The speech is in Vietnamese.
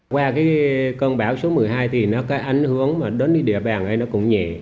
qua cái con bão số một mươi hai thì nó có ảnh hưởng đến địa bàn ấy nó cũng nhẹ